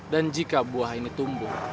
dan jika buah ini tumbuh